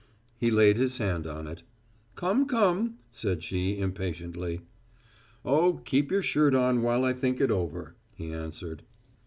He laid his hand on it. "Come, come," said she, impatiently. "Oh, keep your shirt on while I think it over," he answered.